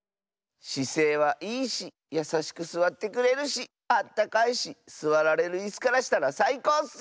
しせいはいいしやさしくすわってくれるしあったかいしすわられるいすからしたらさいこうッス！